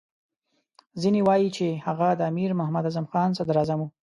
ځینې وایي چې هغه د امیر محمد اعظم خان صدراعظم وو.